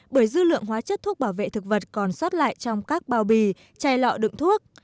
bởi dư lượng hóa chất thuốc bảo vệ thực vật còn sót lại trong các bao bì chai lọ đựng thuốc